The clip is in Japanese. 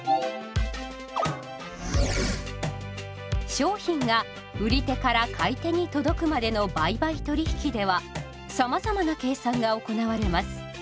商品が売り手から買い手に届くまでの売買取引ではさまざまな計算が行われます。